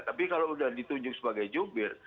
tapi kalau sudah ditunjuk sebagai jubir